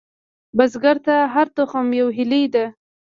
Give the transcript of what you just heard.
بزګر ته هره تخم یوه هیلې ده